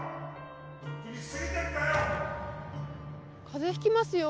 風邪ひきますよ